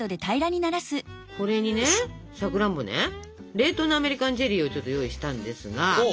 冷凍のアメリカンチェリーを用意したんですが